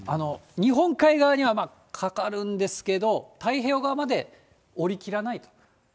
日本海側にはかかるんですけど、太平洋側まで下りきらない。